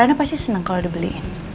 rena pasti seneng kalo dibeliin